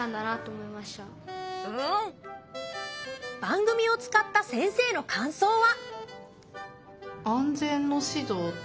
番組を使った先生の感想は。